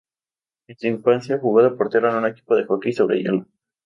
En su infancia, jugó de portero en un equipo de hockey sobre hielo.